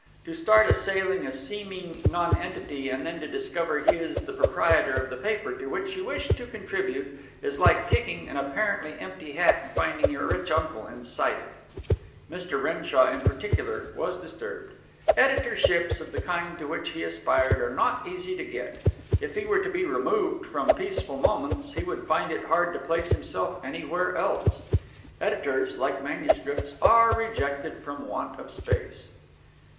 To start assailing a seeming nonentity and then to discover he is the proprietor of the paper to which you wish to contribute is like kicking an apparently empty hat and finding your rich uncle inside it. Mr. Renshaw in particular was disturbed. Editorships of the kind to which he aspired are not easy to get. If he were to be removed from Peaceful Moments he would find it hard to place himself anywhere else. Editors, like manuscripts, are rejected from want of space.